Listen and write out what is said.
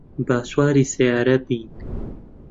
با سواری سەیارە بین.